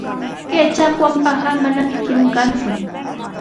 Kay chakwanpaqa mananami kirun kanku.